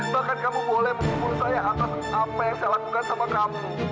bahkan kamu boleh mengumpul saya atas apa yang saya lakukan sama kamu